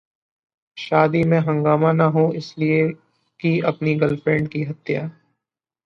शादी में हंगामा न हो, इसलिए की अपनी गर्लफ्रेंड की हत्या